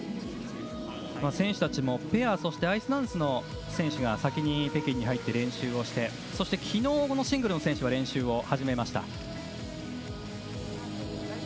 選手たちもペア、そしてアイスダンスの選手が先に北京に入り、練習をしてそして昨日、シングルの選手は練習を始めました。